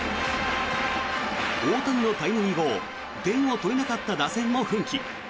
大谷のタイムリー後点を取れなかった打線も奮起。